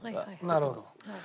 なるほど。